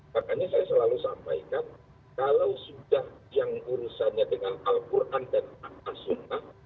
makanya saya selalu sampaikan kalau sudah yang urusannya dengan al quran dan akta sunnah